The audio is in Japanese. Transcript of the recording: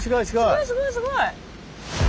すごいすごいすごい。